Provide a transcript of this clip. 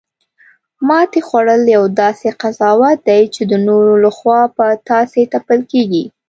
ماتې خوړل یو داسې قضاوت دی، چی د نورو لخوا په تاسې تپل کیږي